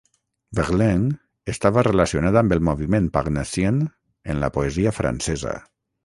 Verlaine estava relacionada amb el moviment Parnassien en la poesia francesa.